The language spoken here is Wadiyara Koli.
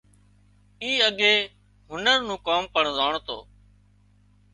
اي اڳي هنر نُون ڪام پڻ زانڻتو